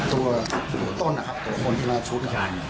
ตัวต้นตัวคนที่เลาะชุด